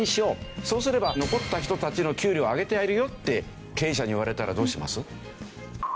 そうすれば残った人たちの給料を上げてあげるよって経営者に言われたらどうします？